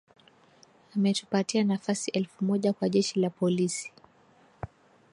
Ametupatia nafasi elfu moja kwa Jeshi la Polisi